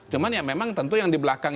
cuman ya memang tentu yang di belakang